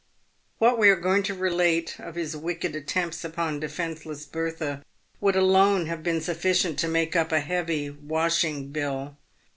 "What we are going to relate of his wicked attempts upon defenceless Bertha would alone have been sufficient to make up a heavy washing bill.